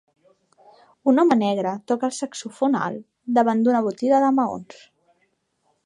Un home negre toca el saxofon alt davant d'una botiga de maons.